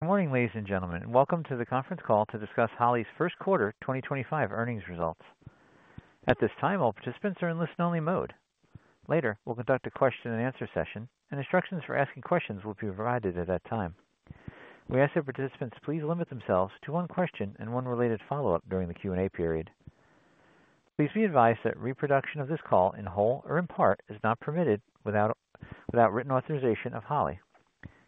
Good morning, ladies and gentlemen. Welcome to the conference call to discuss Holley's first quarter 2025 earnings results. At this time, all participants are in listen-only mode. Later, we'll conduct a question-and-answer session, and instructions for asking questions will be provided at that time. We ask that participants please limit themselves to one question and one related follow-up during the Q&A period. Please be advised that reproduction of this call in whole or in part is not permitted without written authorization of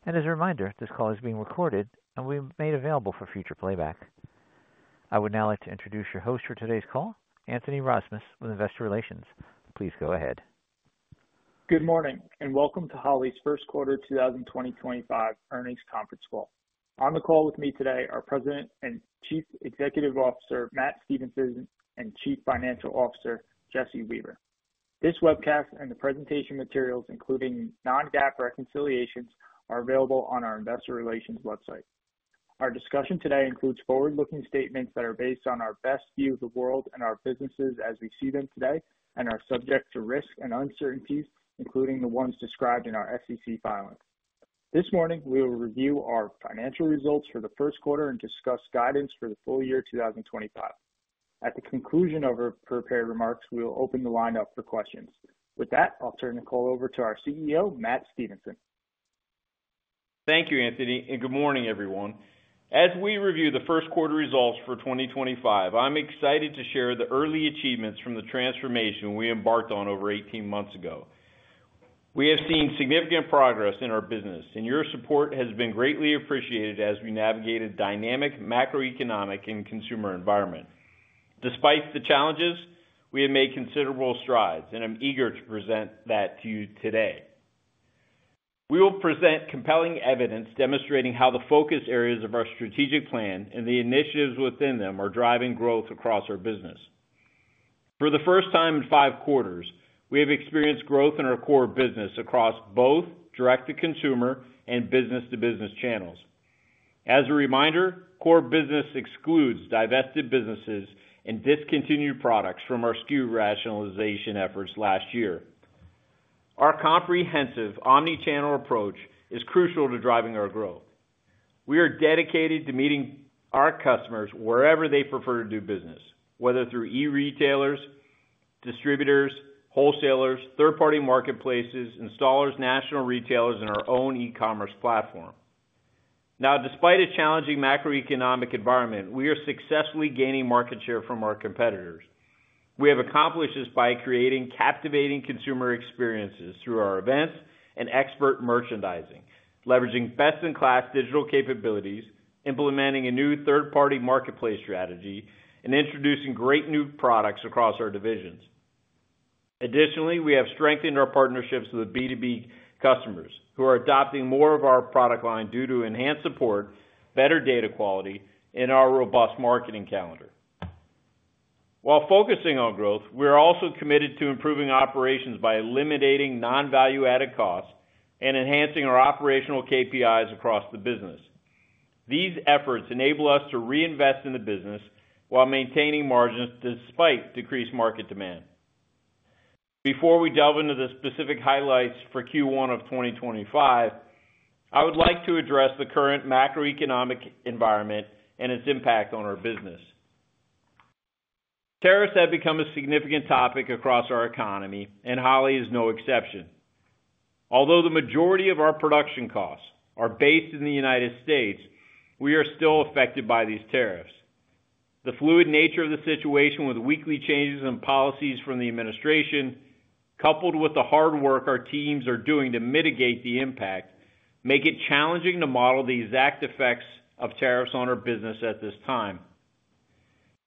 Holley. As a reminder, this call is being recorded and will be made available for future playback. I would now like to introduce your host for today's call, Anthony Rozmus, with Investor Relations. Please go ahead. Good morning and welcome to Holley's first quarter 2025 earnings conference call. On the call with me today are President and Chief Executive Officer Matt Stevenson and Chief Financial Officer Jesse Weaver. This webcast and the presentation materials, including non-GAAP reconciliations, are available on our Investor Relations website. Our discussion today includes forward-looking statements that are based on our best view of the world and our businesses as we see them today and are subject to risks and uncertainties, including the ones described in our SEC filing. This morning, we will review our financial results for the first quarter and discuss guidance for the full year 2025. At the conclusion of our prepared remarks, we will open the line up for questions. With that, I'll turn the call over to our CEO, Matt Stevenson. Thank you, Anthony, and good morning, everyone. As we review the first quarter results for 2025, I'm excited to share the early achievements from the transformation we embarked on over 18 months ago. We have seen significant progress in our business, and your support has been greatly appreciated as we navigate a dynamic macroeconomic and consumer environment. Despite the challenges, we have made considerable strides, and I'm eager to present that to you today. We will present compelling evidence demonstrating how the focus areas of our strategic plan and the initiatives within them are driving growth across our business. For the first time in five quarters, we have experienced growth in our core business across both direct-to-consumer and business-to-business channels. As a reminder, core business excludes divested businesses and discontinued products from our SKU rationalization efforts last year. Our comprehensive omnichannel approach is crucial to driving our growth. We are dedicated to meeting our customers wherever they prefer to do business, whether through e-retailers, distributors, wholesalers, third-party marketplaces, installers, national retailers, and our own e-commerce platform. Now, despite a challenging macroeconomic environment, we are successfully gaining market share from our competitors. We have accomplished this by creating captivating consumer experiences through our events and expert merchandising, leveraging best-in-class digital capabilities, implementing a new third-party marketplace strategy, and introducing great new products across our divisions. Additionally, we have strengthened our partnerships with B2B customers who are adopting more of our product line due to enhanced support, better data quality, and our robust marketing calendar. While focusing on growth, we are also committed to improving operations by eliminating non-value-added costs and enhancing our operational KPIs across the business. These efforts enable us to reinvest in the business while maintaining margins despite decreased market demand. Before we delve into the specific highlights for Q1 of 2025, I would like to address the current macroeconomic environment and its impact on our business. Tariffs have become a significant topic across our economy, and Holley is no exception. Although the majority of our production costs are based in the United States, we are still affected by these tariffs. The fluid nature of the situation, with weekly changes in policies from the administration, coupled with the hard work our teams are doing to mitigate the impact, makes it challenging to model the exact effects of tariffs on our business at this time.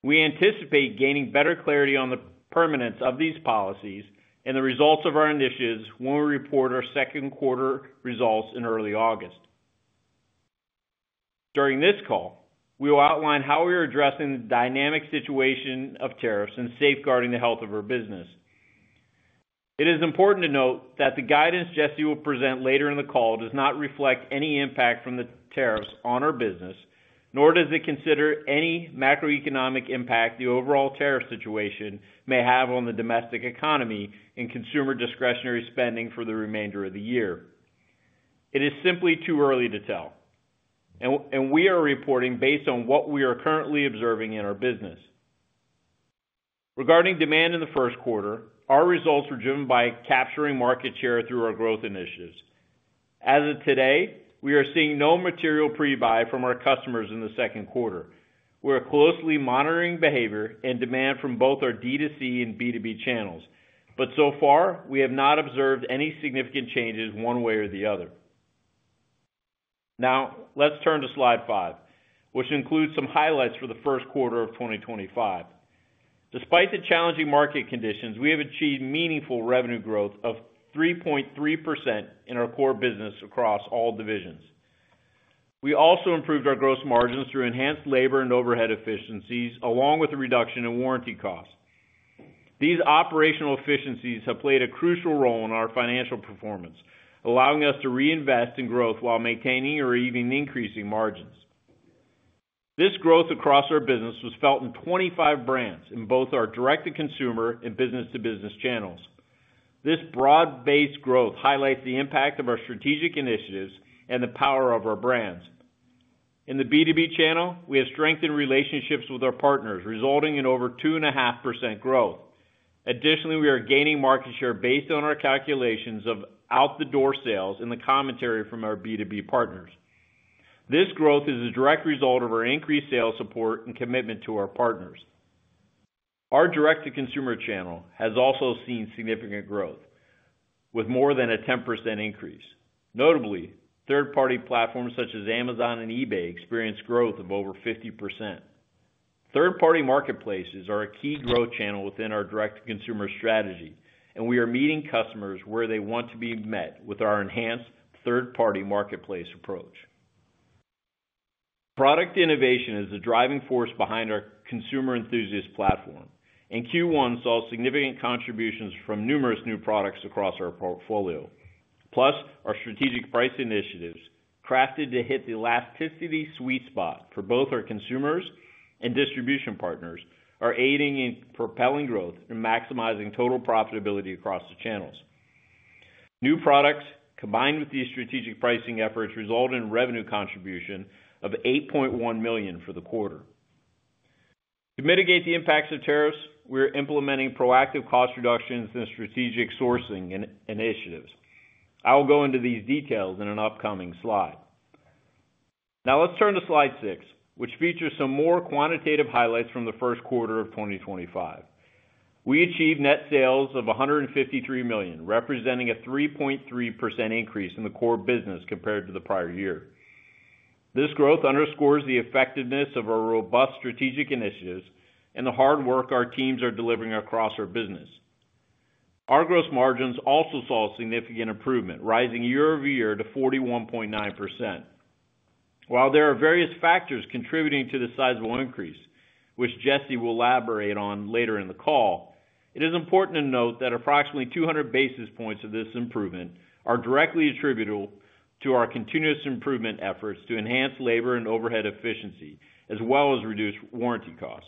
We anticipate gaining better clarity on the permanence of these policies and the results of our initiatives when we report our second quarter results in early August. During this call, we will outline how we are addressing the dynamic situation of tariffs and safeguarding the health of our business. It is important to note that the guidance Jesse will present later in the call does not reflect any impact from the tariffs on our business, nor does it consider any macroeconomic impact the overall tariff situation may have on the domestic economy and consumer discretionary spending for the remainder of the year. It is simply too early to tell, and we are reporting based on what we are currently observing in our business. Regarding demand in the first quarter, our results were driven by capturing market share through our growth initiatives. As of today, we are seeing no material pre-buy from our customers in the second quarter. We are closely monitoring behavior and demand from both our D2C and B2B channels, but so far, we have not observed any significant changes one way or the other. Now, let's turn to slide five, which includes some highlights for the first quarter of 2025. Despite the challenging market conditions, we have achieved meaningful revenue growth of 3.3% in our core business across all divisions. We also improved our gross margins through enhanced labor and overhead efficiencies, along with a reduction in warranty costs. These operational efficiencies have played a crucial role in our financial performance, allowing us to reinvest in growth while maintaining or even increasing margins. This growth across our business was felt in 25 brands in both our direct-to-consumer and business-to-business channels. This broad-based growth highlights the impact of our strategic initiatives and the power of our brands. In the B2B channel, we have strengthened relationships with our partners, resulting in over 2.5% growth. Additionally, we are gaining market share based on our calculations of out-the-door sales and the commentary from our B2B partners. This growth is a direct result of our increased sales support and commitment to our partners. Our direct-to-consumer channel has also seen significant growth, with more than a 10% increase. Notably, third-party platforms such as Amazon and eBay experienced growth of over 50%. Third-party marketplaces are a key growth channel within our direct-to-consumer strategy, and we are meeting customers where they want to be met with our enhanced third-party marketplace approach. Product innovation is the driving force behind our consumer enthusiast platform, and Q1 saw significant contributions from numerous new products across our portfolio. Plus, our strategic price initiatives, crafted to hit the elasticity sweet spot for both our consumers and distribution partners, are aiding in propelling growth and maximizing total profitability across the channels. New products combined with these strategic pricing efforts result in a revenue contribution of $8.1 million for the quarter. To mitigate the impacts of tariffs, we are implementing proactive cost reductions and strategic sourcing initiatives. I will go into these details in an upcoming slide. Now, let's turn to slide six, which features some more quantitative highlights from the first quarter of 2025. We achieved net sales of $153 million, representing a 3.3% increase in the core business compared to the prior year. This growth underscores the effectiveness of our robust strategic initiatives and the hard work our teams are delivering across our business. Our gross margins also saw a significant improvement, rising year-over-year to 41.9%. While there are various factors contributing to the sizable increase, which Jesse will elaborate on later in the call, it is important to note that approximately 200 basis points of this improvement are directly attributable to our continuous improvement efforts to enhance labor and overhead efficiency, as well as reduce warranty costs.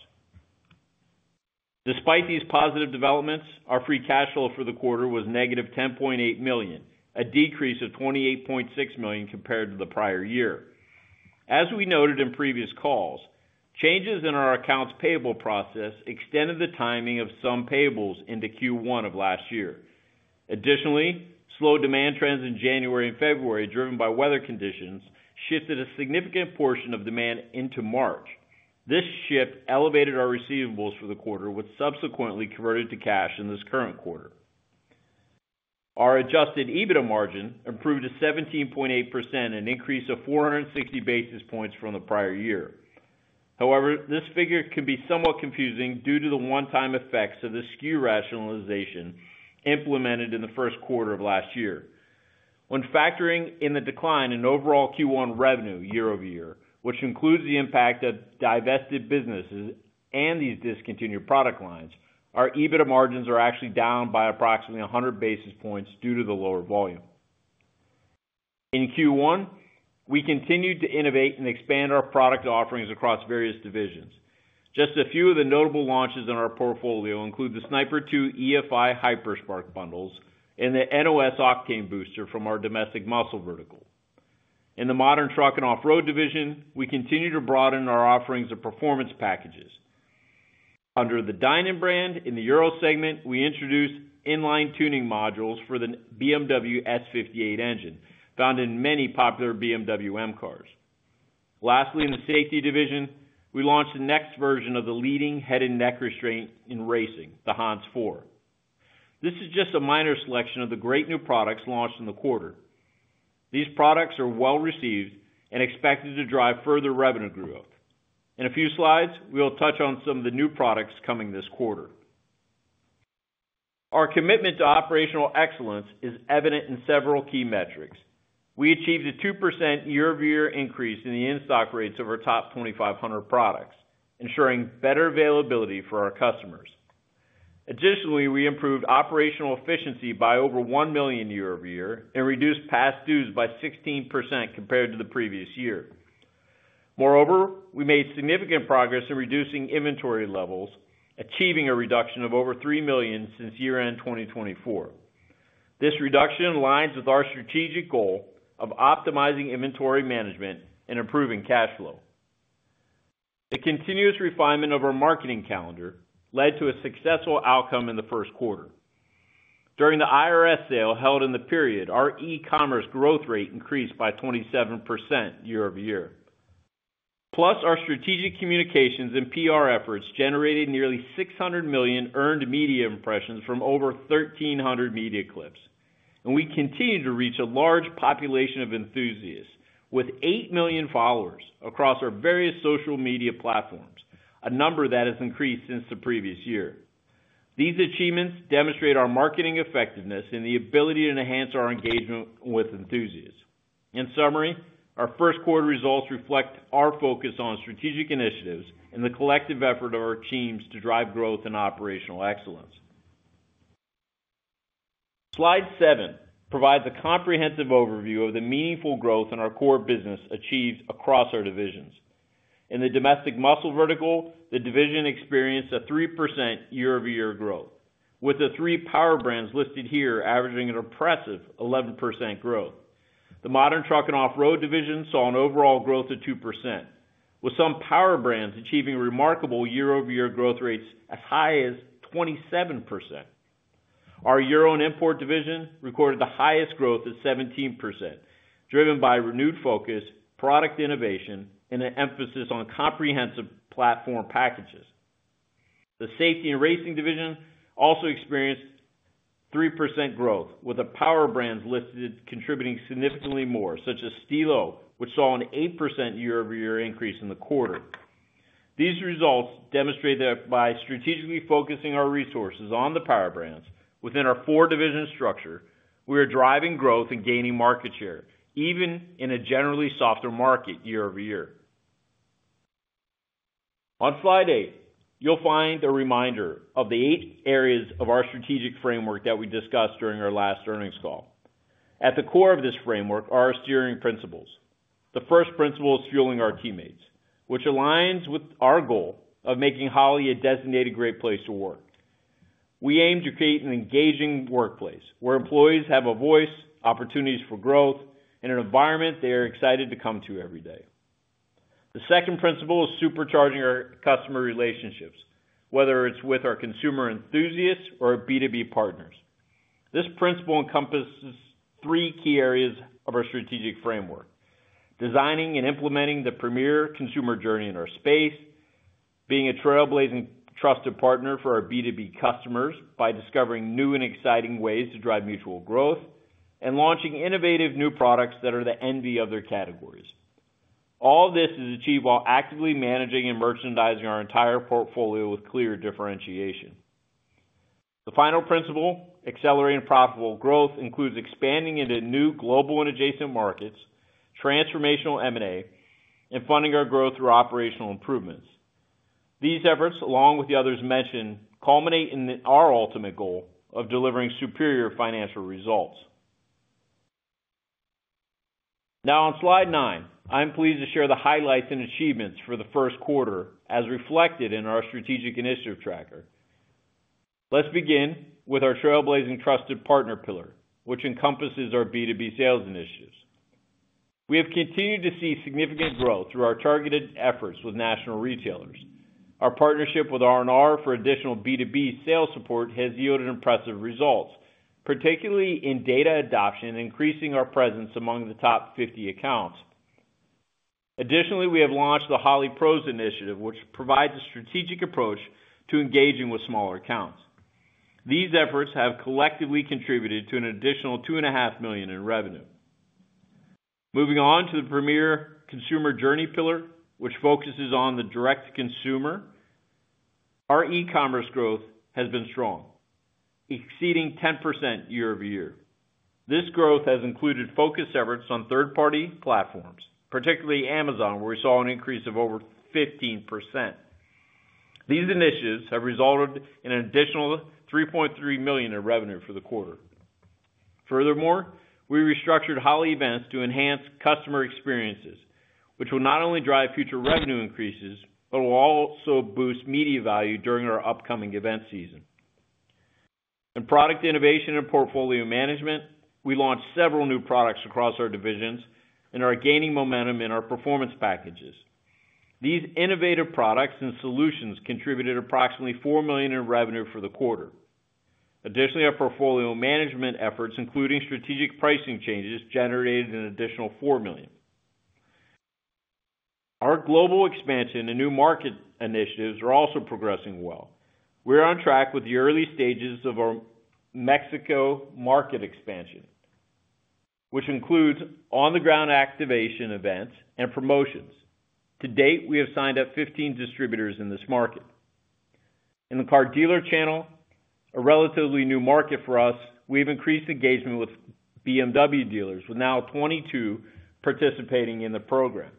Despite these positive developments, our free cash flow for the quarter was negative $10.8 million, a decrease of $28.6 million compared to the prior year. As we noted in previous calls, changes in our accounts payable process extended the timing of some payables into Q1 of last year. Additionally, slow demand trends in January and February, driven by weather conditions, shifted a significant portion of demand into March. This shift elevated our receivables for the quarter, which subsequently converted to cash in this current quarter. Our adjusted EBITDA margin improved to 17.8%, an increase of 460 basis points from the prior year. However, this figure can be somewhat confusing due to the one-time effects of the SKU rationalization implemented in the first quarter of last year. When factoring in the decline in overall Q1 revenue year-over-year, which includes the impact of divested businesses and these discontinued product lines, our EBITDA margins are actually down by approximately 100 basis points due to the lower volume. In Q1, we continued to innovate and expand our product offerings across various divisions. Just a few of the notable launches in our portfolio include the Sniper 2 EFI Hyperspark bundles and the NOS Octane booster from our Domestic Muscle vertical. In the Modern Truck & Off-Road division, we continue to broaden our offerings of performance packages. Under the Dinan brand, in the Euro segment, we introduced inline tuning modules for the BMW S58 engine, found in many popular BMW M cars. Lastly, in the safety division, we launched the next version of the leading head and neck restraint in racing, the HANS 4. This is just a minor selection of the great new products launched in the quarter. These products are well received and expected to drive further revenue growth. In a few slides, we will touch on some of the new products coming this quarter. Our commitment to operational excellence is evident in several key metrics. We achieved a 2% year-over-year increase in the in-stock rates of our top 2,500 products, ensuring better availability for our customers. Additionally, we improved operational efficiency by over $1 million year-over-year and reduced past dues by 16% compared to the previous year. Moreover, we made significant progress in reducing inventory levels, achieving a reduction of over $3 million since year-end 2024. This reduction aligns with our strategic goal of optimizing inventory management and improving cash flow. The continuous refinement of our marketing calendar led to a successful outcome in the first quarter. During the IRS sale held in the period, our e-commerce growth rate increased by 27% year-over-year. Plus, our strategic communications and PR efforts generated nearly 600 million earned media impressions from over 1,300 media clips, and we continue to reach a large population of enthusiasts with 8 million followers across our various social media platforms, a number that has increased since the previous year. These achievements demonstrate our marketing effectiveness and the ability to enhance our engagement with enthusiasts. In summary, our first quarter results reflect our focus on strategic initiatives and the collective effort of our teams to drive growth and operational excellence. Slide seven provides a comprehensive overview of the meaningful growth in our core business achieved across our divisions. In the Domestic Muscle vertical, the division experienced a 3% year-over-year growth, with the three power brands listed here averaging an impressive 11% growth. The Modern Truck & Off-Road division saw an overall growth of 2%, with some power brands achieving remarkable year-over-year growth rates as high as 27%. Our Euro & Import division recorded the highest growth at 17%, driven by renewed focus, product innovation, and an emphasis on comprehensive platform packages. The Safety & Racing division also experienced 3% growth, with the power brands listed contributing significantly more, such as Stilo, which saw an 8% year-over-year increase in the quarter. These results demonstrate that by strategically focusing our resources on the power brands within our four-division structure, we are driving growth and gaining market share, even in a generally softer market year-over-year. On slide eight, you'll find a reminder of the eight areas of our strategic framework that we discussed during our last earnings call. At the core of this framework are our steering principles. The first principle is fueling our teammates, which aligns with our goal of making Holley a designated great place to work. We aim to create an engaging workplace where employees have a voice, opportunities for growth, and an environment they are excited to come to every day. The second principle is supercharging our customer relationships, whether it's with our consumer enthusiasts or our B2B partners. This principle encompasses three key areas of our strategic framework: designing and implementing the premier consumer journey in our space, being a trailblazing trusted partner for our B2B customers by discovering new and exciting ways to drive mutual growth, and launching innovative new products that are the envy of their categories. All of this is achieved while actively managing and merchandising our entire portfolio with clear differentiation. The final principle, accelerating profitable growth, includes expanding into new global and adjacent markets, transformational M&A, and funding our growth through operational improvements. These efforts, along with the others mentioned, culminate in our ultimate goal of delivering superior financial results. Now, on slide nine, I'm pleased to share the highlights and achievements for the first quarter as reflected in our strategic initiative tracker. Let's begin with our trailblazing trusted partner pillar, which encompasses our B2B sales initiatives. We have continued to see significant growth through our targeted efforts with national retailers. Our partnership with R&R for additional B2B sales support has yielded impressive results, particularly in data adoption and increasing our presence among the top 50 accounts. Additionally, we have launched the Holley Pros initiative, which provides a strategic approach to engaging with smaller accounts. These efforts have collectively contributed to an additional $2.5 million in revenue. Moving on to the premier consumer journey pillar, which focuses on the direct-to-consumer, our e-commerce growth has been strong, exceeding 10% year-over-year. This growth has included focused efforts on third-party platforms, particularly Amazon, where we saw an increase of over 15%. These initiatives have resulted in an additional $3.3 million in revenue for the quarter. Furthermore, we restructured Holley events to enhance customer experiences, which will not only drive future revenue increases but will also boost media value during our upcoming event season. In product innovation and portfolio management, we launched several new products across our divisions and are gaining momentum in our performance packages. These innovative products and solutions contributed approximately $4 million in revenue for the quarter. Additionally, our portfolio management efforts, including strategic pricing changes, generated an additional $4 million. Our global expansion and new market initiatives are also progressing well. We are on track with the early stages of our Mexico market expansion, which includes on-the-ground activation events and promotions. To date, we have signed up 15 distributors in this market. In the car dealer channel, a relatively new market for us, we have increased engagement with BMW dealers, with now 22 participating in the program.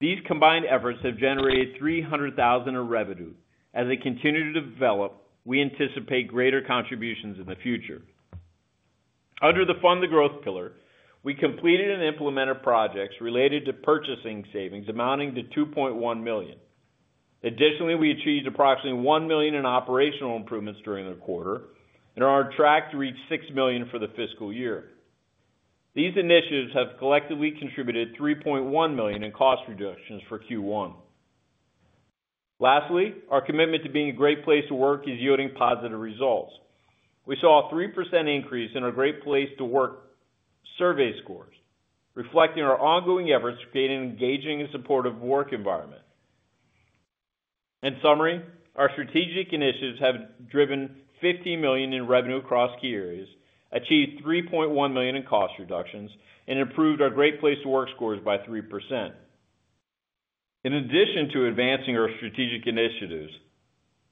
These combined efforts have generated $300,000 in revenue. As they continue to develop, we anticipate greater contributions in the future. Under the fund the growth pillar, we completed and implemented projects related to purchasing savings amounting to $2.1 million. Additionally, we achieved approximately $1 million in operational improvements during the quarter and are on track to reach $6 million for the fiscal year. These initiatives have collectively contributed $3.1 million in cost reductions for Q1. Lastly, our commitment to being a great place to work is yielding positive results. We saw a 3% increase in our great place to work survey scores, reflecting our ongoing efforts to create an engaging and supportive work environment. In summary, our strategic initiatives have driven $15 million in revenue across key areas, achieved $3.1 million in cost reductions, and improved our great place to work scores by 3%. In addition to advancing our strategic initiatives,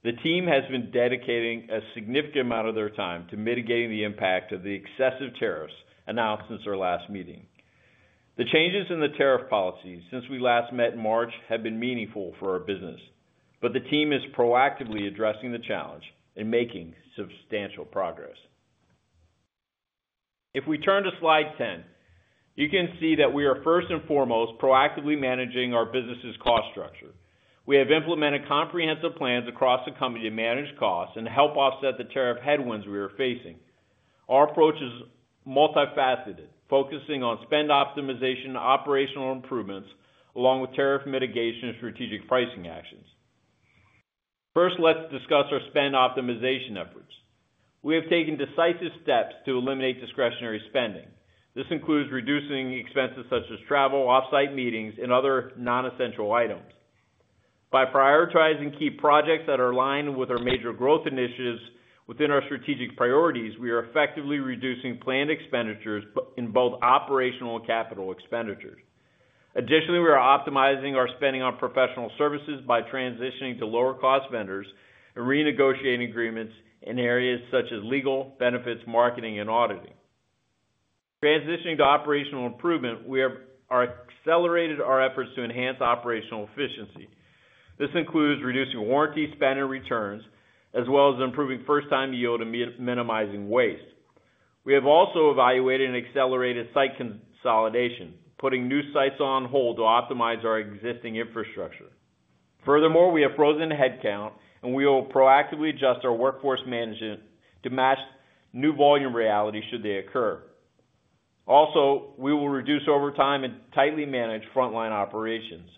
the team has been dedicating a significant amount of their time to mitigating the impact of the excessive tariffs announced since our last meeting. The changes in the tariff policies since we last met in March have been meaningful for our business, but the team is proactively addressing the challenge and making substantial progress. If we turn to slide 10, you can see that we are first and foremost proactively managing our business's cost structure. We have implemented comprehensive plans across the company to manage costs and help offset the tariff headwinds we are facing. Our approach is multifaceted, focusing on spend optimization and operational improvements, along with tariff mitigation and strategic pricing actions. First, let's discuss our spend optimization efforts. We have taken decisive steps to eliminate discretionary spending. This includes reducing expenses such as travel, off-site meetings, and other non-essential items. By prioritizing key projects that are aligned with our major growth initiatives within our strategic priorities, we are effectively reducing planned expenditures in both operational and capital expenditures. Additionally, we are optimizing our spending on professional services by transitioning to lower-cost vendors and renegotiating agreements in areas such as legal, benefits, marketing, and auditing. Transitioning to operational improvement, we have accelerated our efforts to enhance operational efficiency. This includes reducing warranty spend and returns, as well as improving first-time yield and minimizing waste. We have also evaluated and accelerated site consolidation, putting new sites on hold to optimize our existing infrastructure. Furthermore, we have frozen headcount, and we will proactively adjust our workforce management to match new volume realities should they occur. Also, we will reduce overtime and tightly manage frontline operations.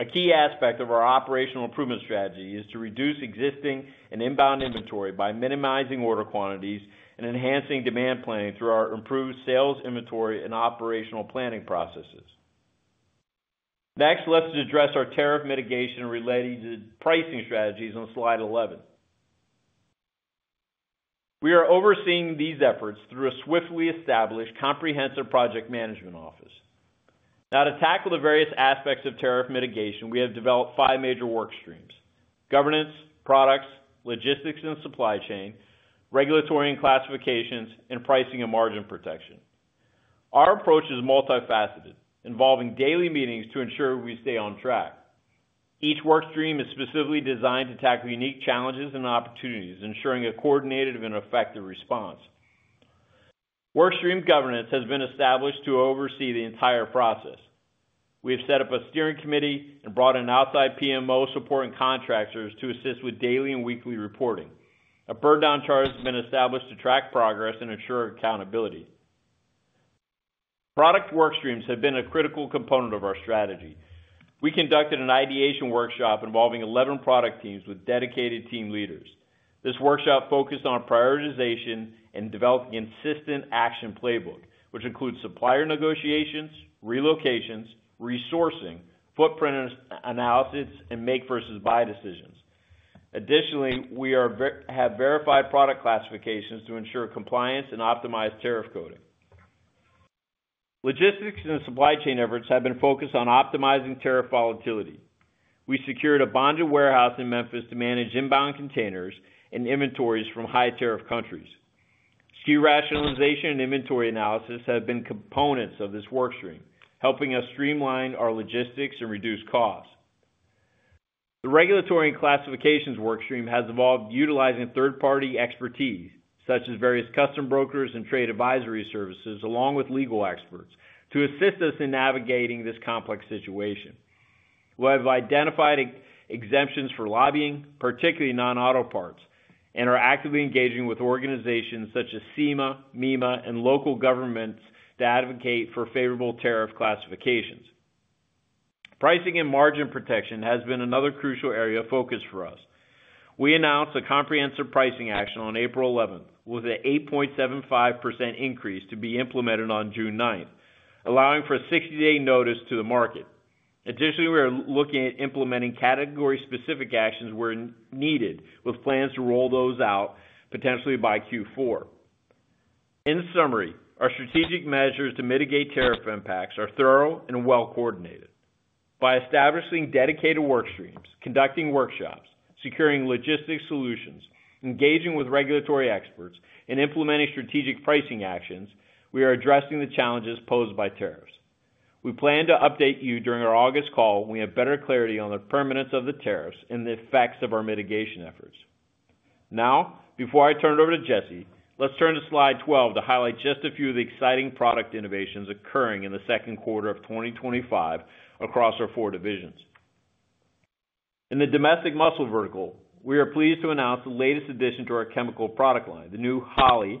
A key aspect of our operational improvement strategy is to reduce existing and inbound inventory by minimizing order quantities and enhancing demand planning through our improved sales inventory and operational planning processes. Next, let's address our tariff mitigation related to pricing strategies on slide 11. We are overseeing these efforts through a swiftly established comprehensive project management office. Now, to tackle the various aspects of tariff mitigation, we have developed five major work streams: governance, products, logistics and supply chain, regulatory and classifications, and pricing and margin protection. Our approach is multifaceted, involving daily meetings to ensure we stay on track. Each work stream is specifically designed to tackle unique challenges and opportunities, ensuring a coordinated and effective response. Work stream governance has been established to oversee the entire process. We have set up a steering committee and brought in outside PMO support and contractors to assist with daily and weekly reporting. A burndown chart has been established to track progress and ensure accountability. Product work streams have been a critical component of our strategy. We conducted an ideation workshop involving 11 product teams with dedicated team leaders. This workshop focused on prioritization and developing a consistent action playbook, which includes supplier negotiations, relocations, resourcing, footprint analysis, and make-versus-buy decisions. Additionally, we have verified product classifications to ensure compliance and optimized tariff coding. Logistics and supply chain efforts have been focused on optimizing tariff volatility. We secured a bonded warehouse in Memphis to manage inbound containers and inventories from high-tariff countries. SKU rationalization and inventory analysis have been components of this work stream, helping us streamline our logistics and reduce costs. The regulatory and classifications work stream has evolved utilizing third-party expertise, such as various customs brokers and trade advisory services, along with legal experts to assist us in navigating this complex situation. We have identified exemptions for lobbying, particularly non-auto parts, and are actively engaging with organizations such as SEMA, MEMA, and local governments to advocate for favorable tariff classifications. Pricing and margin protection has been another crucial area of focus for us. We announced a comprehensive pricing action on April 11th, with an 8.75% increase to be implemented on June 9th, allowing for a 60-day notice to the market. Additionally, we are looking at implementing category-specific actions where needed, with plans to roll those out potentially by Q4. In summary, our strategic measures to mitigate tariff impacts are thorough and well-coordinated. By establishing dedicated work streams, conducting workshops, securing logistics solutions, engaging with regulatory experts, and implementing strategic pricing actions, we are addressing the challenges posed by tariffs. We plan to update you during our August call when we have better clarity on the permanence of the tariffs and the effects of our mitigation efforts. Now, before I turn it over to Jesse, let's turn to slide 12 to highlight just a few of the exciting product innovations occurring in the second quarter of 2025 across our four divisions. In the Domestic Muscle vertical, we are pleased to announce the latest addition to our chemical product line, the new Holley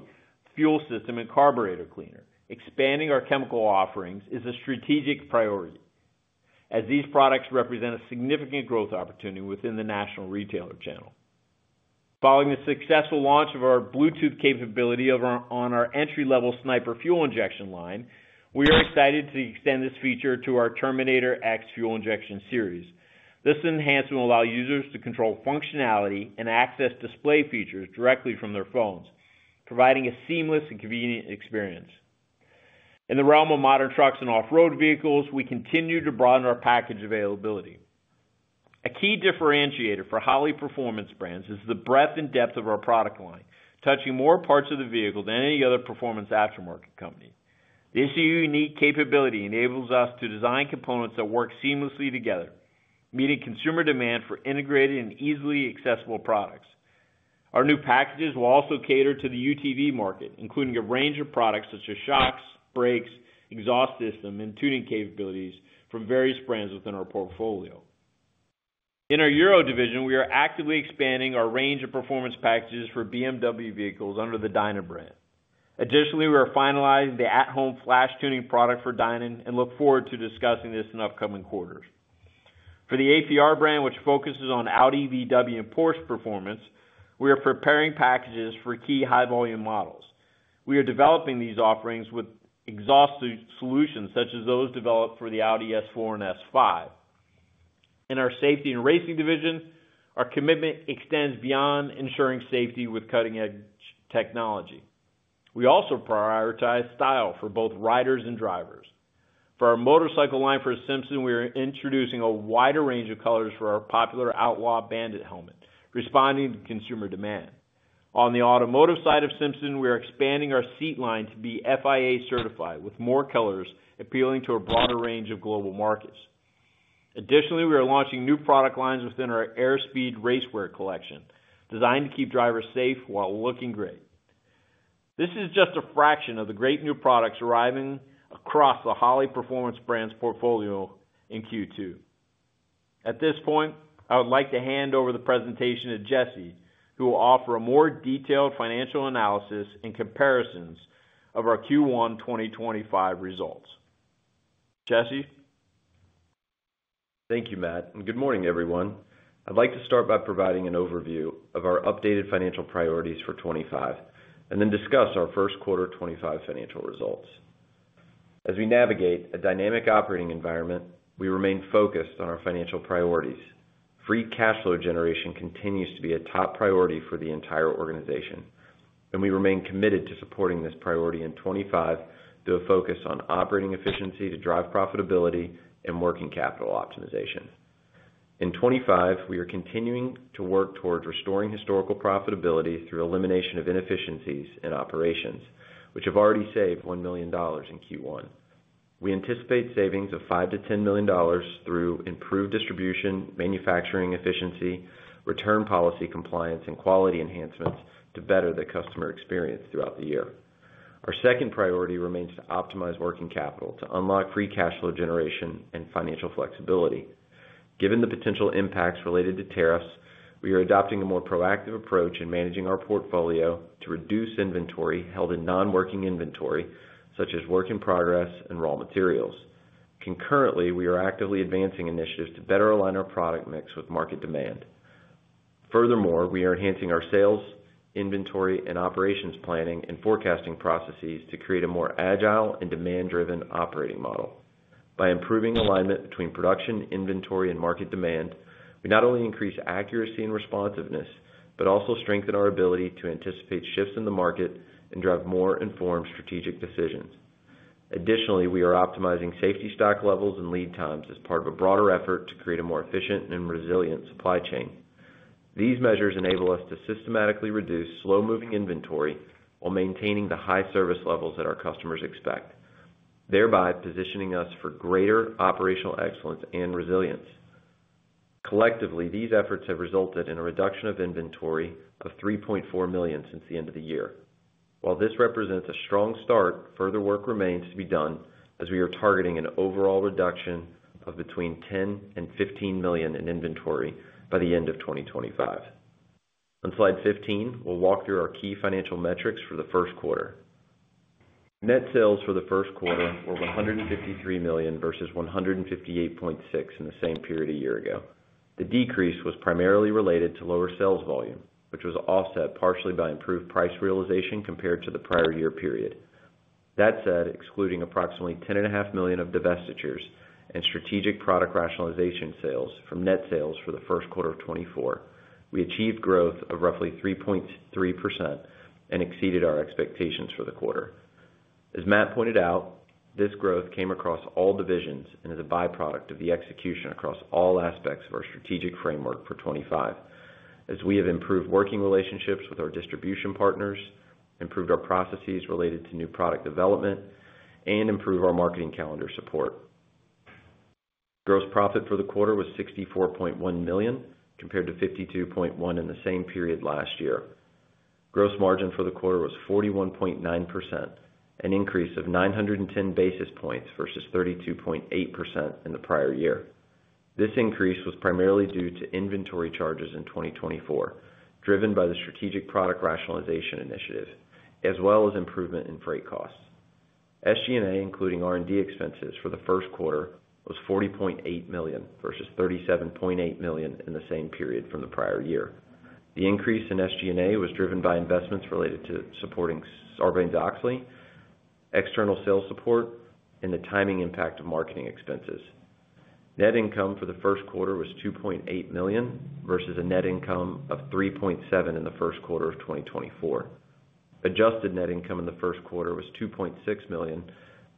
fuel system and carburetor cleaner. Expanding our chemical offerings is a strategic priority, as these products represent a significant growth opportunity within the national retailer channel. Following the successful launch of our Bluetooth capability on our entry-level Sniper fuel injection line, we are excited to extend this feature to our Terminator X fuel injection series. This enhancement will allow users to control functionality and access display features directly from their phones, providing a seamless and convenient experience. In the realm of Modern Truck & Off-Road vehicles, we continue to broaden our package availability. A key differentiator for Holley performance brands is the breadth and depth of our product line, touching more parts of the vehicle than any other performance aftermarket company. This unique capability enables us to design components that work seamlessly together, meeting consumer demand for integrated and easily accessible products. Our new packages will also cater to the UTV market, including a range of products such as shocks, brakes, exhaust systems, and tuning capabilities from various brands within our portfolio. In our Euro division, we are actively expanding our range of performance packages for BMW vehicles under the Dyna brand. Additionally, we are finalizing the at-home flash tuning product for Dyna and look forward to discussing this in upcoming quarters. For the APR brand, which focuses on Audi, VW, and Porsche performance, we are preparing packages for key high-volume models. We are developing these offerings with exhaust solutions such as those developed for the Audi S4 and S5. In our safety and racing division, our commitment extends beyond ensuring safety with cutting-edge technology. We also prioritize style for both riders and drivers. For our motorcycle line for Simpson, we are introducing a wider range of colors for our popular Outlaw Bandit helmet, responding to consumer demand. On the automotive side of Simpson, we are expanding our seat line to be FIA certified, with more colors appealing to a broader range of global markets. Additionally, we are launching new product lines within our AirSpeed Racewear collection, designed to keep drivers safe while looking great. This is just a fraction of the great new products arriving across the Holley performance brand's portfolio in Q2. At this point, I would like to hand over the presentation to Jesse, who will offer a more detailed financial analysis and comparisons of our Q1 2025 results. Jesse. Thank you, Matt. Good morning, everyone. I'd like to start by providing an overview of our updated financial priorities for 2025 and then discuss our first quarter 2025 financial results. As we navigate a dynamic operating environment, we remain focused on our financial priorities. Free cash flow generation continues to be a top priority for the entire organization, and we remain committed to supporting this priority in 2025 through a focus on operating efficiency to drive profitability and working capital optimization. In 2025, we are continuing to work towards restoring historical profitability through elimination of inefficiencies in operations, which have already saved $1 million in Q1. We anticipate savings of $5 million-$10 million through improved distribution, manufacturing efficiency, return policy compliance, and quality enhancements to better the customer experience throughout the year. Our second priority remains to optimize working capital to unlock free cash flow generation and financial flexibility. Given the potential impacts related to tariffs, we are adopting a more proactive approach in managing our portfolio to reduce inventory held in non-working inventory, such as work in progress and raw materials. Concurrently, we are actively advancing initiatives to better align our product mix with market demand. Furthermore, we are enhancing our sales, inventory, and operations planning and forecasting processes to create a more agile and demand-driven operating model. By improving alignment between production, inventory, and market demand, we not only increase accuracy and responsiveness, but also strengthen our ability to anticipate shifts in the market and drive more informed strategic decisions. Additionally, we are optimizing safety stock levels and lead times as part of a broader effort to create a more efficient and resilient supply chain. These measures enable us to systematically reduce slow-moving inventory while maintaining the high service levels that our customers expect, thereby positioning us for greater operational excellence and resilience. Collectively, these efforts have resulted in a reduction of inventory of $3.4 million since the end of the year. While this represents a strong start, further work remains to be done as we are targeting an overall reduction of between $10 million and $15 million in inventory by the end of 2025. On slide 15, we'll walk through our key financial metrics for the first quarter. Net sales for the first quarter were $153 million versus $158.6 million in the same period a year ago. The decrease was primarily related to lower sales volume, which was offset partially by improved price realization compared to the prior year period. That said, excluding approximately $10.5 million of divestitures and strategic product rationalization sales from net sales for the first quarter of 2024, we achieved growth of roughly 3.3% and exceeded our expectations for the quarter. As Matt pointed out, this growth came across all divisions and is a byproduct of the execution across all aspects of our strategic framework for 2025, as we have improved working relationships with our distribution partners, improved our processes related to new product development, and improved our marketing calendar support. Gross profit for the quarter was $64.1 million compared to $52.1 million in the same period last year. Gross margin for the quarter was 41.9%, an increase of 910 basis points versus 32.8% in the prior year. This increase was primarily due to inventory charges in 2024, driven by the strategic product rationalization initiative, as well as improvement in freight costs. SG&A, including R&D expenses for the first quarter, was $40.8 million versus $37.8 million in the same period from the prior year. The increase in SG&A was driven by investments related to supporting Sarbanes-Oxley, external sales support, and the timing impact of marketing expenses. Net income for the first quarter was $2.8 million versus a net income of $3.7 million in the first quarter of 2024. Adjusted net income in the first quarter was $2.6 million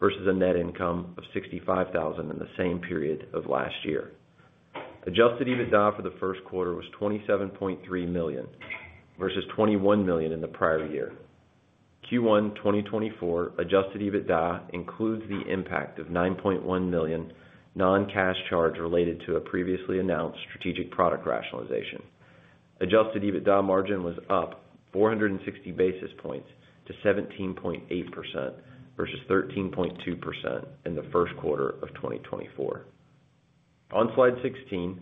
versus a net income of $65,000 in the same period of last year. Adjusted EBITDA for the first quarter was $27.3 million versus $21 million in the prior year. Q1 2024 adjusted EBITDA includes the impact of a $9.1 million non-cash charge related to a previously announced strategic product rationalization. Adjusted EBITDA margin was up 460 basis points to 17.8% versus 13.2% in the first quarter of 2024. On slide 16,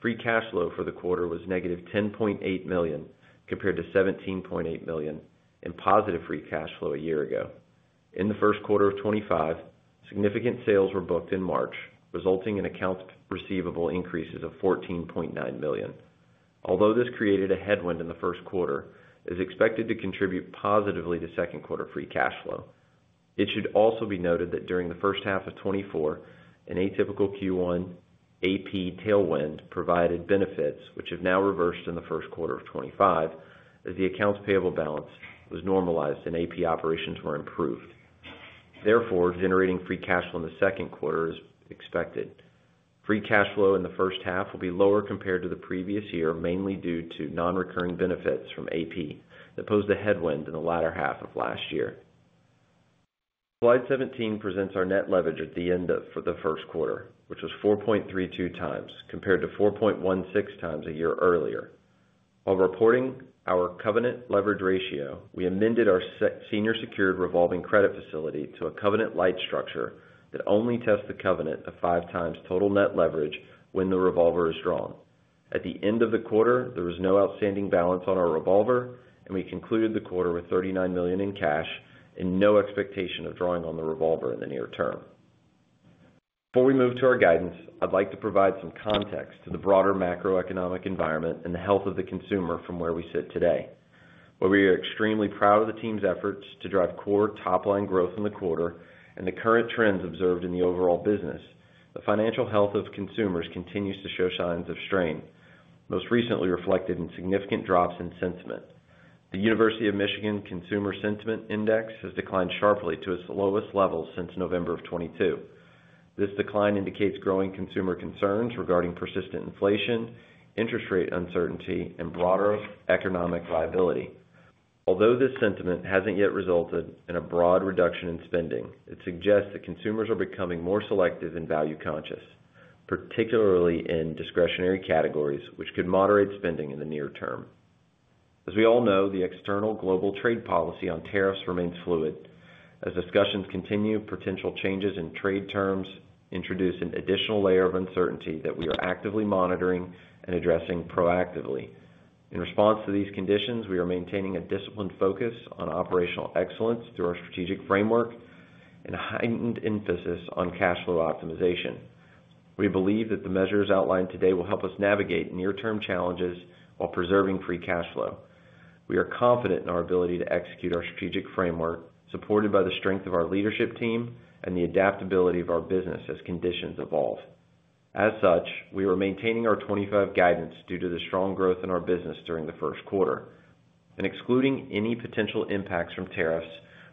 free cash flow for the quarter was negative $10.8 million compared to $17.8 million in positive free cash flow a year ago. In the first quarter of 2025, significant sales were booked in March, resulting in accounts receivable increases of $14.9 million. Although this created a headwind in the first quarter, it is expected to contribute positively to second quarter free cash flow. It should also be noted that during the first half of 2024, an atypical Q1 AP tailwind provided benefits, which have now reversed in the first quarter of 2025, as the accounts payable balance was normalized and AP operations were improved. Therefore, generating free cash flow in the second quarter is expected. Free cash flow in the first half will be lower compared to the previous year, mainly due to non-recurring benefits from AP that posed a headwind in the latter half of last year. Slide 17 presents our net leverage at the end of the first quarter, which was 4.32 times compared to 4.16 times a year earlier. While reporting our covenant leverage ratio, we amended our senior secured revolving credit facility to a covenant light structure that only tests the covenant of five times total net leverage when the revolver is drawn. At the end of the quarter, there was no outstanding balance on our revolver, and we concluded the quarter with $39 million in cash and no expectation of drawing on the revolver in the near term. Before we move to our guidance, I'd like to provide some context to the broader macroeconomic environment and the health of the consumer from where we sit today. While we are extremely proud of the team's efforts to drive core top-line growth in the quarter and the current trends observed in the overall business, the financial health of consumers continues to show signs of strain, most recently reflected in significant drops in sentiment. The University of Michigan Consumer Sentiment Index has declined sharply to its lowest levels since November of 2022. This decline indicates growing consumer concerns regarding persistent inflation, interest rate uncertainty, and broader economic liability. Although this sentiment hasn't yet resulted in a broad reduction in spending, it suggests that consumers are becoming more selective and value-conscious, particularly in discretionary categories, which could moderate spending in the near term. As we all know, the external global trade policy on tariffs remains fluid. As discussions continue, potential changes in trade terms introduce an additional layer of uncertainty that we are actively monitoring and addressing proactively. In response to these conditions, we are maintaining a disciplined focus on operational excellence through our strategic framework and a heightened emphasis on cash flow optimization. We believe that the measures outlined today will help us navigate near-term challenges while preserving free cash flow. We are confident in our ability to execute our strategic framework, supported by the strength of our leadership team and the adaptability of our business as conditions evolve. As such, we are maintaining our 2025 guidance due to the strong growth in our business during the first quarter. In excluding any potential impacts from tariffs,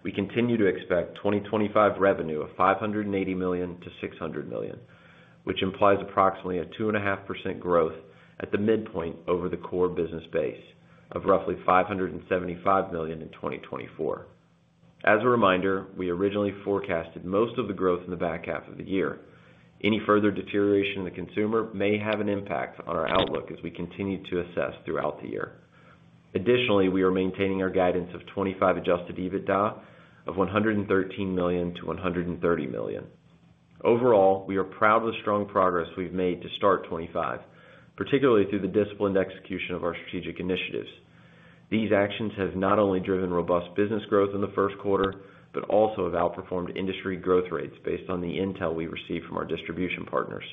we continue to expect 2025 revenue of $580 million-$600 million, which implies approximately a 2.5% growth at the midpoint over the core business base of roughly $575 million in 2024. As a reminder, we originally forecasted most of the growth in the back half of the year. Any further deterioration in the consumer may have an impact on our outlook as we continue to assess throughout the year. Additionally, we are maintaining our guidance of 2025 adjusted EBITDA of $113 million-$130 million. Overall, we are proud of the strong progress we've made to start 2025, particularly through the disciplined execution of our strategic initiatives. These actions have not only driven robust business growth in the first quarter, but also have outperformed industry growth rates based on the intel we received from our distribution partners.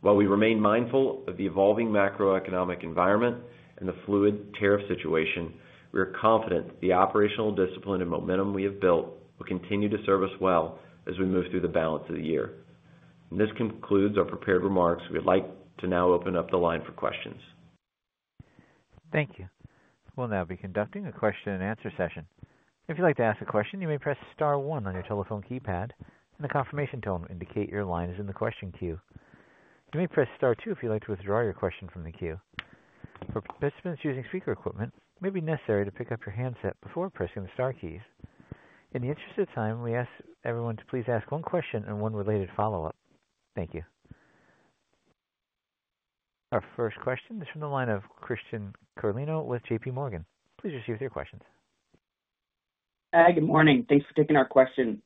While we remain mindful of the evolving macroeconomic environment and the fluid tariff situation, we are confident that the operational discipline and momentum we have built will continue to serve us well as we move through the balance of the year. This concludes our prepared remarks. We would like to now open up the line for questions. Thank you. We'll now be conducting a question-and-answer session. If you'd like to ask a question, you may press star one on your telephone keypad, and the confirmation tone will indicate your line is in the question queue. You may press star two if you'd like to withdraw your question from the queue. For participants using speaker equipment, it may be necessary to pick up your handset before pressing the star keys. In the interest of time, we ask everyone to please ask one question and one related follow-up. Thank you. Our first question is from the line of Christian Carlino with JP Morgan. Please proceed with your questions. Hi, good morning. Thanks for taking our question.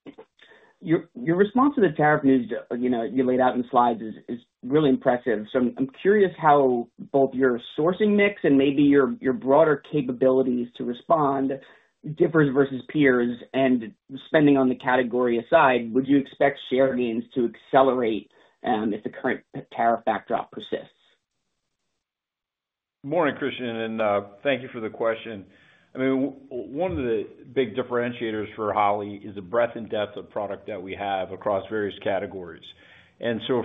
Your response to the tariff news you laid out in slides is really impressive. I'm curious how both your sourcing mix and maybe your broader capabilities to respond differs versus peers. Spending on the category aside, would you expect share gains to accelerate if the current tariff backdrop persists? Morning, Christian, and thank you for the question. I mean, one of the big differentiators for Holley is the breadth and depth of product that we have across various categories.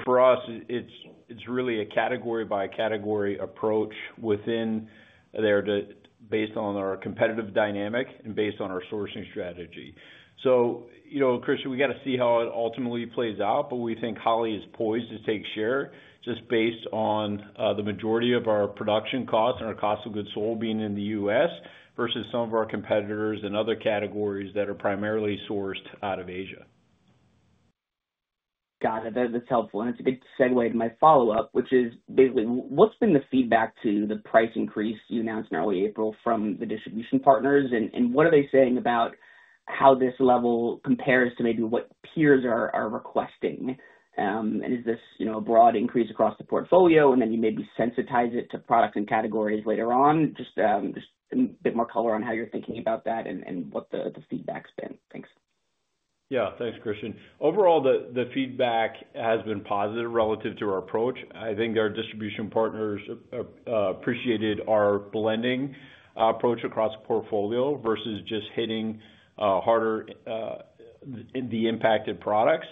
For us, it's really a category-by-category approach within there based on our competitive dynamic and based on our sourcing strategy. Christian, we got to see how it ultimately plays out, but we think Holley is poised to take share just based on the majority of our production costs and our cost of goods sold being in the U.S. versus some of our competitors and other categories that are primarily sourced out of Asia. Got it. That's helpful. It's a good segue to my follow-up, which is basically, what's been the feedback to the price increase you announced in early April from the distribution partners? What are they saying about how this level compares to maybe what peers are requesting? Is this a broad increase across the portfolio? You maybe sensitize it to products and categories later on? Just a bit more color on how you're thinking about that and what the feedback's been. Thanks. Yeah, thanks, Christian. Overall, the feedback has been positive relative to our approach. I think our distribution partners appreciated our blending approach across the portfolio versus just hitting harder the impacted products.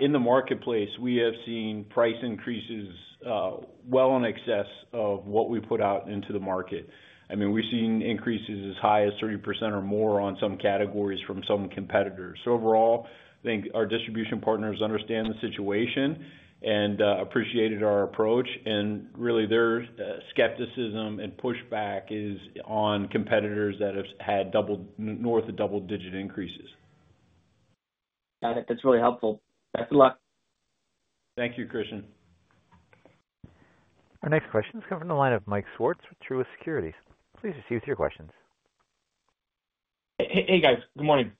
In the marketplace, we have seen price increases well in excess of what we put out into the market. I mean, we've seen increases as high as 30% or more on some categories from some competitors. Overall, I think our distribution partners understand the situation and appreciated our approach. Really, their skepticism and pushback is on competitors that have had north of double-digit increases. Got it. That's really helpful. Best of luck. Thank you, Christian. Our next question is coming from the line of Mike Swartz with Truist Securities. Please proceed with your questions. Hey, guys. Good morning.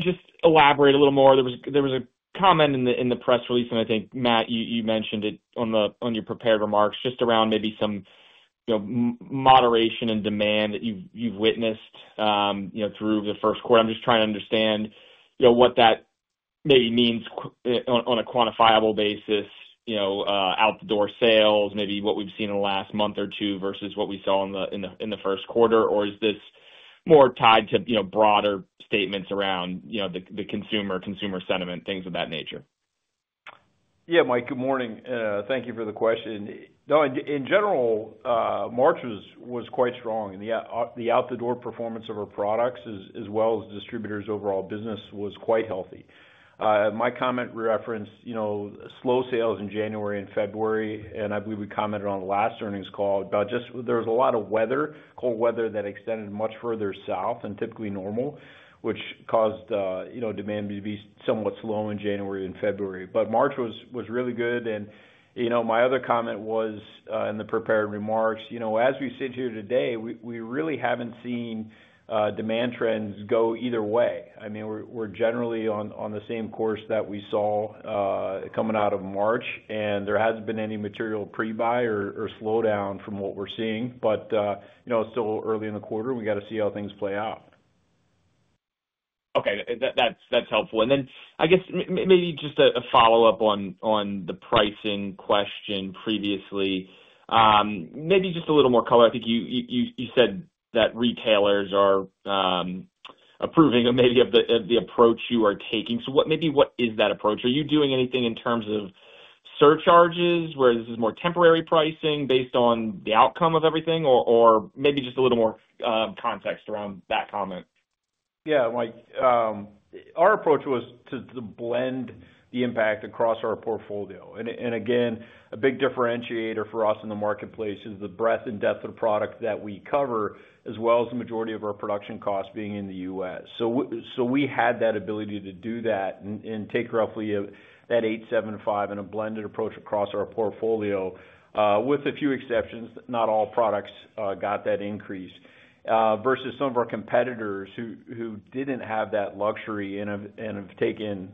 Just elaborate a little more. There was a comment in the press release, and I think, Matt, you mentioned it on your prepared remarks, just around maybe some moderation in demand that you've witnessed through the first quarter. I'm just trying to understand what that maybe means on a quantifiable basis, out-the-door sales, maybe what we've seen in the last month or two versus what we saw in the first quarter. Or is this more tied to broader statements around the consumer, consumer sentiment, things of that nature? Yeah, Mike, good morning. Thank you for the question. No, in general, March was quite strong. And the out-the-door performance of our products, as well as distributors' overall business, was quite healthy. My comment referenced slow sales in January and February, and I believe we commented on the last earnings call about just there was a lot of weather, cold weather that extended much further south than typically normal, which caused demand to be somewhat slow in January and February. March was really good. My other comment was in the prepared remarks, as we sit here today, we really have not seen demand trends go either way. I mean, we are generally on the same course that we saw coming out of March, and there has not been any material pre-buy or slowdown from what we are seeing. It is still early in the quarter. We have to see how things play out. Okay. That is helpful. I guess maybe just a follow-up on the pricing question previously, maybe just a little more color. I think you said that retailers are approving of maybe the approach you are taking. So maybe what is that approach? Are you doing anything in terms of surcharges where this is more temporary pricing based on the outcome of everything, or maybe just a little more context around that comment? Yeah, Mike. Our approach was to blend the impact across our portfolio. And again, a big differentiator for us in the marketplace is the breadth and depth of product that we cover, as well as the majority of our production costs being in the U.S. So we had that ability to do that and take roughly that $8.75 in a blended approach across our portfolio, with a few exceptions. Not all products got that increase versus some of our competitors who didn't have that luxury and have taken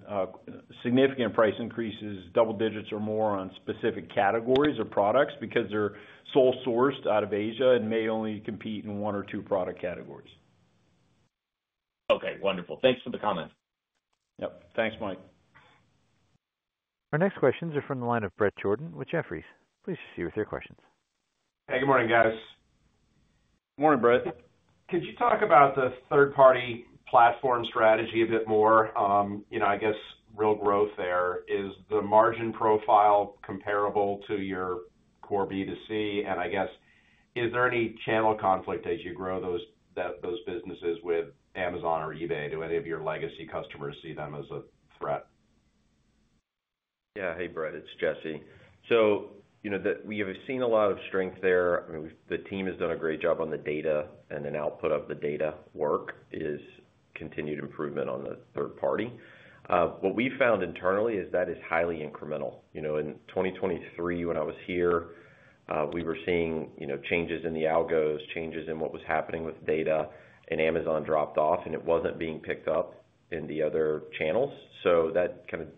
significant price increases, double digits or more on specific categories of products because they're sole-sourced out of Asia and may only compete in one or two product categories. Okay. Wonderful. Thanks for the comment. Yep. Thanks, Mike. Our next questions are from the line of Brett Jordan with Jefferies. Please proceed with your questions. Hey, good morning, guys. Morning, Brett. Could you talk about the third-party platform strategy a bit more? I guess real growth there is the margin profile comparable to your core B2C? And I guess, is there any channel conflict as you grow those businesses with Amazon or eBay? Do any of your legacy customers see them as a threat? Yeah. Hey, Brett. It's Jesse. So we have seen a lot of strength there. I mean, the team has done a great job on the data and an output of the data work is continued improvement on the third party. What we've found internally is that is highly incremental. In 2023, when I was here, we were seeing changes in the algos, changes in what was happening with data, and Amazon dropped off, and it wasn't being picked up in the other channels. That kind of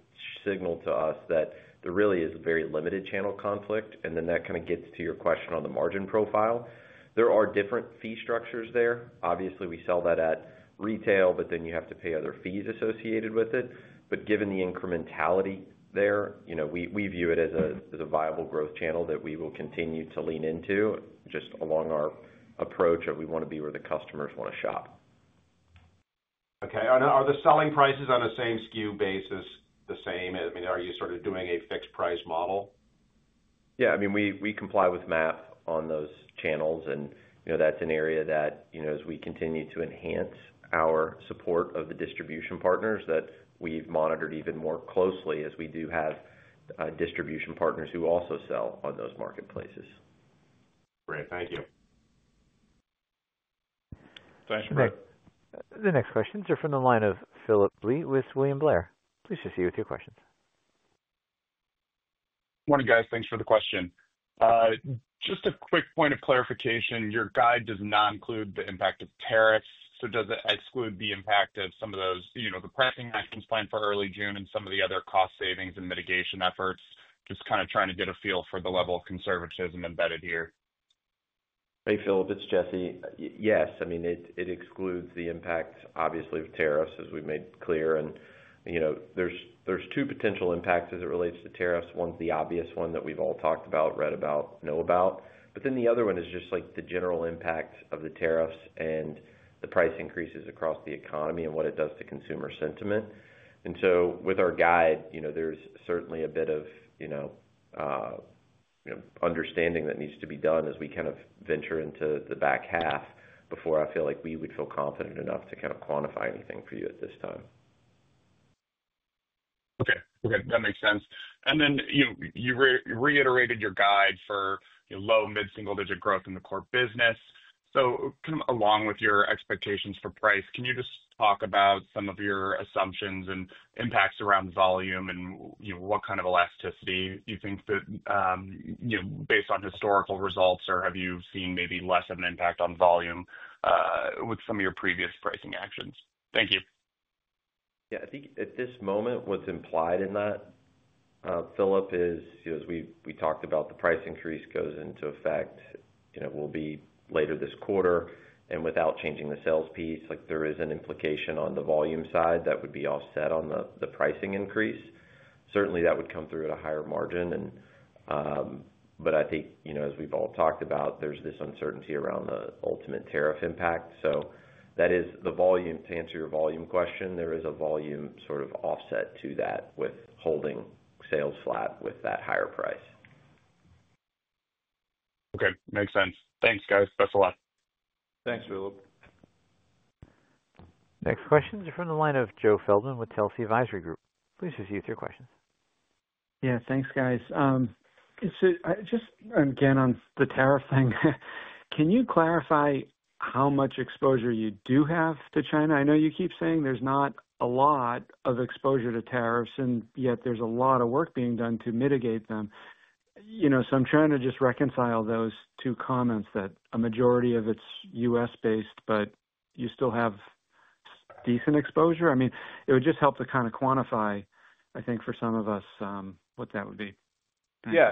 signaled to us that there really is very limited channel conflict. That kind of gets to your question on the margin profile. There are different fee structures there. Obviously, we sell that at retail, but then you have to pay other fees associated with it. Given the incrementality there, we view it as a viable growth channel that we will continue to lean into just along our approach that we want to be where the customers want to shop. Okay. Are the selling prices on a same SKU basis the same? I mean, are you sort of doing a fixed-price model? Yeah. I mean, we comply with MAP on those channels. And that's an area that, as we continue to enhance our support of the distribution partners, that we've monitored even more closely as we do have distribution partners who also sell on those marketplaces. Great. Thank you. Thanks, Brett. The next questions are from the line of Philip Lee with William Blair. Please proceed with your questions. Morning, guys. Thanks for the question. Just a quick point of clarification. Your guide does not include the impact of tariffs. Does it exclude the impact of some of those pricing actions planned for early June and some of the other cost savings and mitigation efforts? Just kind of trying to get a feel for the level of conservatism embedded here. Hey, Philip. It's Jesse. Yes. I mean, it excludes the impact, obviously, of tariffs, as we made clear. There are two potential impacts as it relates to tariffs. One is the obvious one that we've all talked about, read about, know about. The other one is just the general impact of the tariffs and the price increases across the economy and what it does to consumer sentiment. With our guide, there's certainly a bit of understanding that needs to be done as we kind of venture into the back half before I feel like we would feel confident enough to kind of quantify anything for you at this time. Okay. That makes sense. You reiterated your guide for low, mid-single-digit growth in the core business. Along with your expectations for price, can you just talk about some of your assumptions and impacts around volume and what kind of elasticity you think that based on historical results, or have you seen maybe less of an impact on volume with some of your previous pricing actions? Thank you. I think at this moment, what's implied in that, Philip, is as we talked about, the price increase goes into effect, will be later this quarter. Without changing the sales piece, there is an implication on the volume side that would be offset on the pricing increase. Certainly, that would come through at a higher margin. I think, as we've all talked about, there's this uncertainty around the ultimate tariff impact. That is the volume. To answer your volume question, there is a volume sort of offset to that with holding sales flat with that higher price. Okay. Makes sense. Thanks, guys. Best of luck. Thanks, Philip. Next questions are from the line of Joe Feldman with Telsey Advisory Group. Please proceed with your questions. Yeah. Thanks, guys. Just again on the tariff thing, can you clarify how much exposure you do have to China? I know you keep saying there's not a lot of exposure to tariffs, and yet there's a lot of work being done to mitigate them. I'm trying to just reconcile those two comments that a majority of it's U.S.-based, but you still have decent exposure. I mean, it would just help to kind of quantify, I think, for some of us what that would be. Yeah.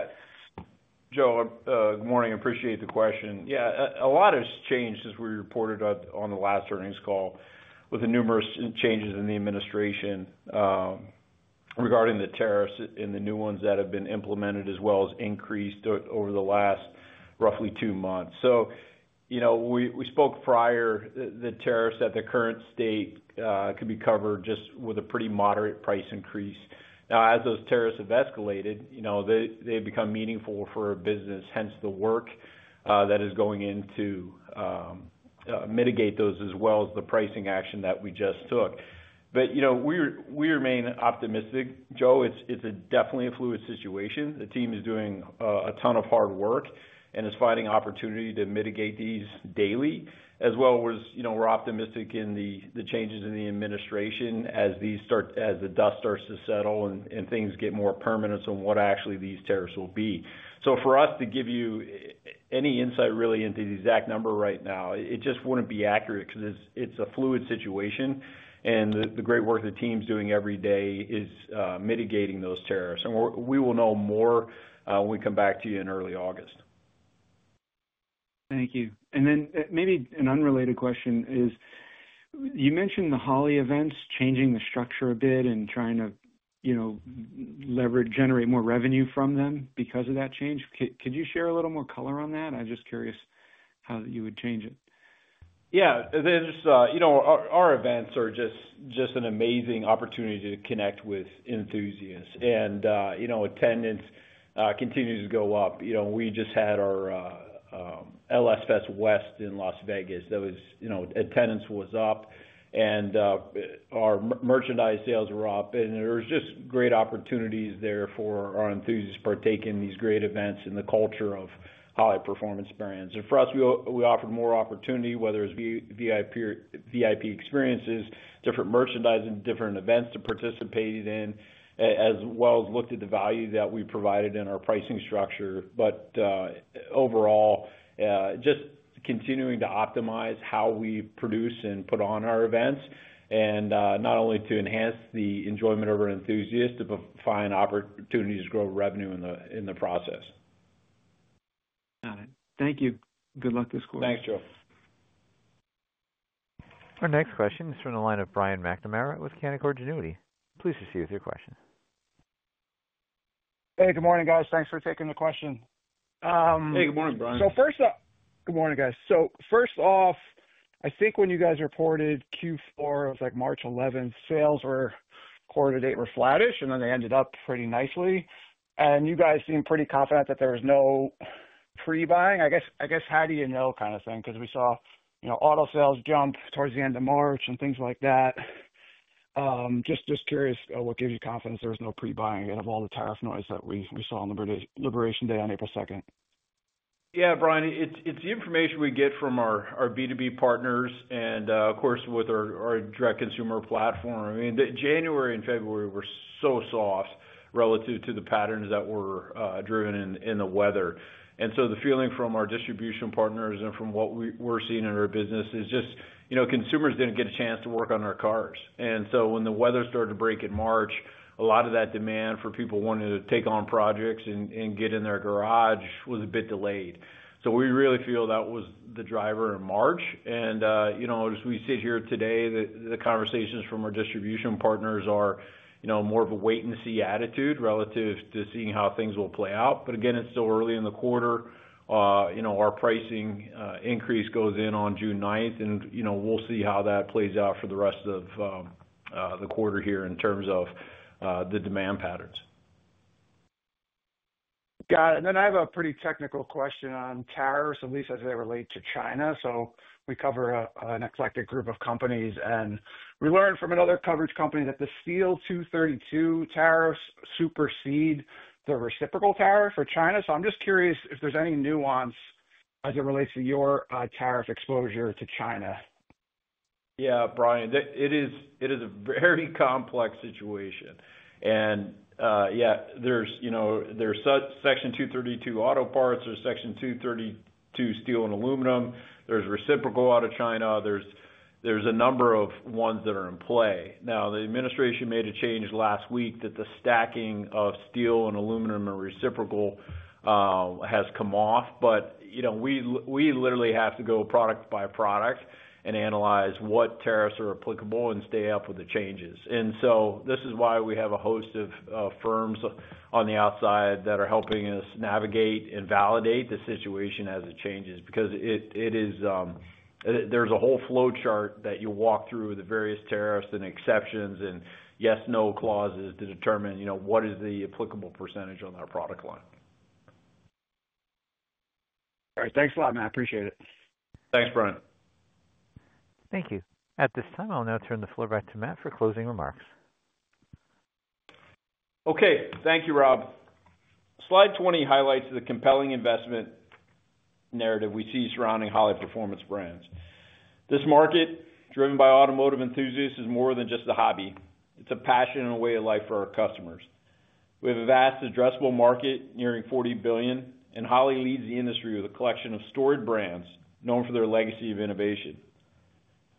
Joe, good morning. Appreciate the question. Yeah. A lot has changed as we reported on the last earnings call with the numerous changes in the administration regarding the tariffs and the new ones that have been implemented, as well as increased over the last roughly two months. We spoke prior, the tariffs at the current state could be covered just with a pretty moderate price increase. Now, as those tariffs have escalated, they've become meaningful for a business, hence the work that is going in to mitigate those, as well as the pricing action that we just took. We remain optimistic. Joe, it's definitely a fluid situation. The team is doing a ton of hard work and is finding opportunity to mitigate these daily, as well as we're optimistic in the changes in the administration as the dust starts to settle and things get more permanent on what actually these tariffs will be. For us to give you any insight really into the exact number right now, it just wouldn't be accurate because it's a fluid situation. The great work the team's doing every day is mitigating those tariffs. We will know more when we come back to you in early August. Thank you. Maybe an unrelated question is you mentioned the Holley events changing the structure a bit and trying to generate more revenue from them because of that change. Could you share a little more color on that? I'm just curious how you would change it. Yeah. Our events are just an amazing opportunity to connect with enthusiasts. Attendance continues to go up. We just had our LSF West in Las Vegas. Attendance was up, and our merchandise sales were up. There were just great opportunities there for our enthusiasts partaking in these great events and the culture of high performance brands. For us, we offered more opportunity, whether it's VIP experiences, different merchandise, and different events to participate in, as well as looked at the value that we provided in our pricing structure. Overall, just continuing to optimize how we produce and put on our events, and not only to enhance the enjoyment of our enthusiasts, but find opportunities to grow revenue in the process. Got it. Thank you. Good luck this quarter. Thanks, Joe. Our next question is from the line of Brian McNamara with Canaccord Genuity. Please proceed with your question. Hey, good morning, guys. Thanks for taking the question. Hey, good morning, Brian. First off, I think when you guys reported Q4, it was like March 11, sales were quarter to date were flattish, and then they ended up pretty nicely. You guys seemed pretty confident that there was no pre-buying. I guess, how do you know kind of thing? Because we saw auto sales jump towards the end of March and things like that. Just curious what gives you confidence there was no pre-buying out of all the tariff noise that we saw on Liberation Day on April 2nd. Yeah, Brian, it's the information we get from our B2B partners and, of course, with our direct consumer platform. I mean, January and February were so soft relative to the patterns that were driven in the weather. The feeling from our distribution partners and from what we're seeing in our business is just consumers didn't get a chance to work on our cars. When the weather started to break in March, a lot of that demand for people wanting to take on projects and get in their garage was a bit delayed. We really feel that was the driver in March. As we sit here today, the conversations from our distribution partners are more of a wait-and-see attitude relative to seeing how things will play out. Again, it's still early in the quarter. Our pricing increase goes in on June 9th, and we'll see how that plays out for the rest of the quarter here in terms of the demand patterns. Got it. I have a pretty technical question on tariffs, at least as they relate to China. We cover an eclectic group of companies, and we learned from another coverage company that the Section 232 tariffs supersede the reciprocal tariff for China. I'm just curious if there's any nuance as it relates to your tariff exposure to China. Yeah, Brian, it is a very complex situation. Yeah, there's Section 232 auto parts. There's Section 232 steel and aluminum. There's reciprocal out of China. There's a number of ones that are in play. The administration made a change last week that the stacking of steel and aluminum and reciprocal has come off. We literally have to go product by product and analyze what tariffs are applicable and stay up with the changes. This is why we have a host of firms on the outside that are helping us navigate and validate the situation as it changes because there is a whole flow chart that you walk through, the various tariffs and exceptions and yes/no clauses to determine what is the applicable percentage on our product line. All right. Thanks a lot, man. I appreciate it. Thanks, Brian. Thank you. At this time, I'll now turn the floor back to Matt for closing remarks. Okay. Thank you, Rob. Slide 20 highlights the compelling investment narrative we see surrounding Holley performance brands. This market, driven by automotive enthusiasts, is more than just a hobby. It's a passion and a way of life for our customers. We have a vast, addressable market nearing $40 billion, and Holley leads the industry with a collection of storied brands known for their legacy of innovation.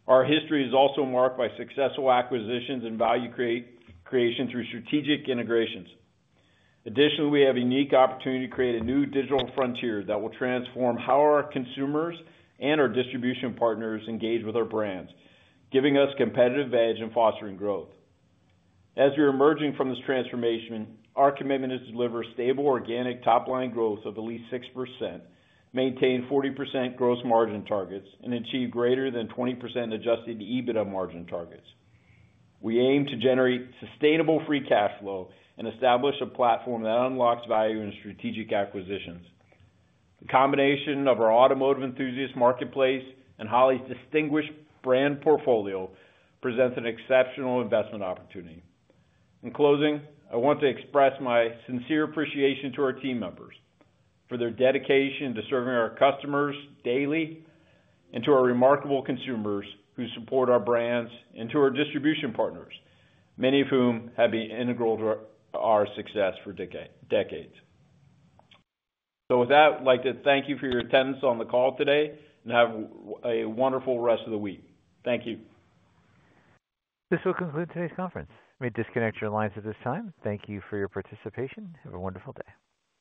Our history is also marked by successful acquisitions and value creation through strategic integrations. Additionally, we have a unique opportunity to create a new digital frontier that will transform how our consumers and our distribution partners engage with our brands, giving us a competitive edge and fostering growth. As we are emerging from this transformation, our commitment is to deliver stable, organic top-line growth of at least 6%, maintain 40% gross margin targets, and achieve greater than 20% adjusted EBITDA margin targets. We aim to generate sustainable free cash flow and establish a platform that unlocks value in strategic acquisitions. The combination of our automotive enthusiast marketplace and Holley's distinguished brand portfolio presents an exceptional investment opportunity. In closing, I want to express my sincere appreciation to our team members for their dedication to serving our customers daily and to our remarkable consumers who support our brands and to our distribution partners, many of whom have been integral to our success for decades. With that, I'd like to thank you for your attendance on the call today and have a wonderful rest of the week. Thank you. This will conclude today's conference. We disconnect your lines at this time. Thank you for your participation. Have a wonderful day.